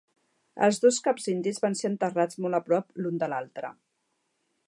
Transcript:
Els dos caps indis van ser enterrats molt a prop l'un de l'altre.